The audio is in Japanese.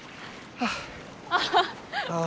ああ。